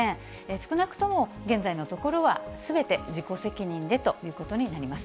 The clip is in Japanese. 少なくとも現在のところは、すべて自己責任でということになります。